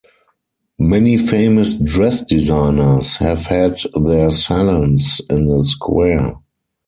Many famous dress designers have had their salons in the square.